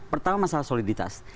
pertama masalah soliditas